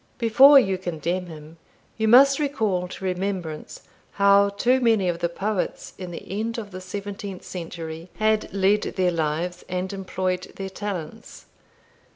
Before you condemn him, you must recall to remembrance how too many of the poets in the end of the seventeenth century had led their lives and employed their talents.